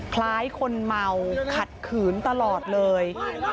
คล้ายคนเมาขัดขืนตลอดเลย